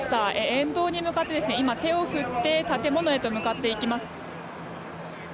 沿道に向かって今、手を振って建物へと向かっていきます。